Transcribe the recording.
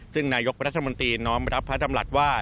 ซึ่งนายกรัฐมนตรีน้อมรับพระดำรัฐว่า